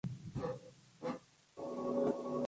Y a mediados del Siglo X se sabe que existió Servando.